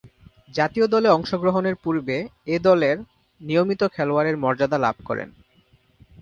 জাতীয় দলে অংশগ্রহণের পূর্বে এ-দলের নিয়মিত খেলোয়াড়ের মর্যাদা লাভ করেন।